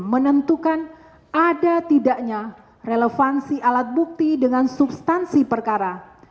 menentukan ada tidaknya relevansi alat bukti dengan substansi perkara